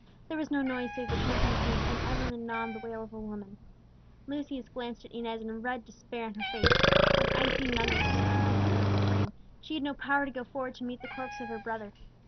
There was no noise, save the tramping of feet, and ever and anon the wail of a woman. Lucius glanced at Inez, and read despair in her face. An icy numbness was creeping over her frame; she had no power to go forward to meet the corpse of her brother.